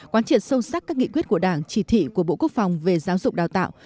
quán triệt sâu sắc các nghị quyết của đảng chỉ thị của bộ quốc phòng về giáo dục đào tạo